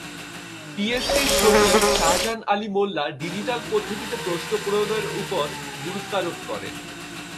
পিএসসির সচিব শাহজাহান আলী মোল্লা ডিজিটাল পদ্ধতিতে প্রশ্ন প্রণয়নের ওপর গুরুত্বারোপ করেন।